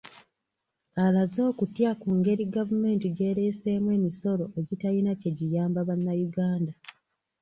Alaze okutya ku ngeri gavumenti gy'ereeseemu emisolo egitalina kye giyamba bannayuganda.